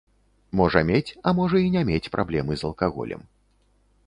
Можа мець, а можа і не мець праблемы з алкаголем.